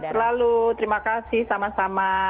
selalu terima kasih sama sama